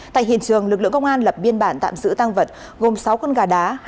tại hiện trường lực lượng công an lập biên bản tạm giữ tăng vật gồm sáu con gà đá